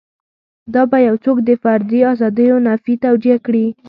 دا به یو څوک د فردي ازادیو نفي توجیه کړي.